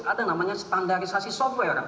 ada namanya standarisasi software